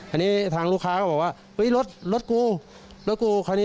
อันนี้ทางลูกค้าก็บอกว่าอุ๊ยรถรถกู